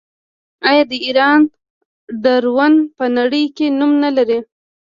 آیا د ایران ډرون په نړۍ کې نوم نلري؟